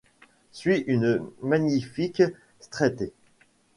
Suit une magnifique strette.